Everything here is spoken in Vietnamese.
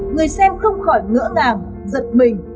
người xem không khỏi ngỡ ngàng giật mình